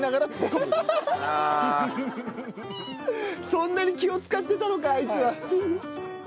そんなに気を使ってたのかあいつは。